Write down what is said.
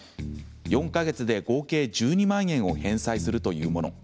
４か月で合計１２万円を返済するというもの。